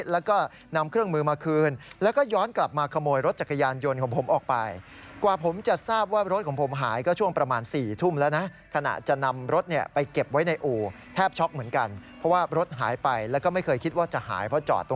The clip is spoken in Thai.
และเป็นเจ้าของรถที่ถูกขโมย